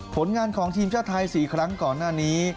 ผลงานของทีมชาติไทย๔ครั้งก่อนหน้านี้